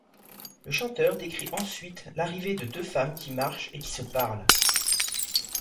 Le chanteur décrit ensuite l'arrivée de deux femmes qui marchent et qui se parlent.